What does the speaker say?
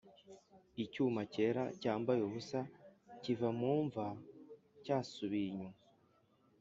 icyuma cyera cyambaye ubusa kiva mu mva cyasubiye inyuma,